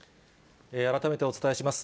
改めてお伝えします。